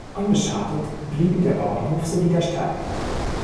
Unbeschadet blieben der Bauernhof sowie der Stall.